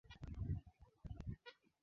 umoja ya afrika sioni kama itachangia kwa